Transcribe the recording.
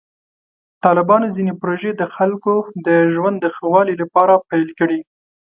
طالبانو ځینې پروژې د خلکو د ژوند د ښه والي لپاره پیل کړې.